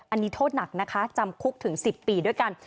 อันนี้โทษหนักนะคะจำคุกถึง๑๐ปีด้วยกัน